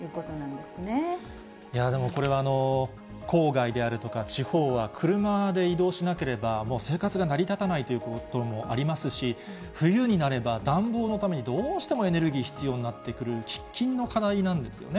でもこれは、郊外であるとか、地方は車で移動しなければ、もう生活が成り立たないということもありますし、冬になれば、暖房のためにどうしてもエネルギー必要になってくる、喫緊の課題なんですよね。